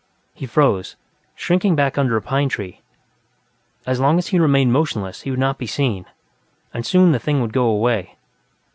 He froze, shrinking back under a pine tree; as long as he remained motionless, he would not be seen, and soon the thing would go away.